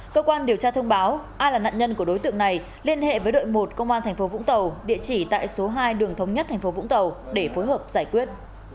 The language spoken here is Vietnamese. cơ quan điều tra thông báo ai là nạn nhân của đối tượng này liên hệ với đội một công an tp vũng tàu địa chỉ tại số hai đường thống nhất tp vũng tàu để phối hợp giải quyết